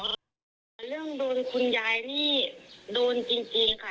แต่เรื่องโดนคุณยายนี่โดนจริงค่ะ